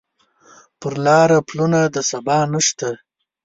پر لاره پلونه د سبا نشته